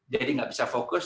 jadi tidak bisa fokus